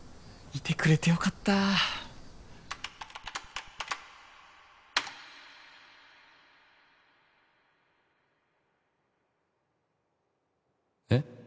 いてくれてよかったえっ？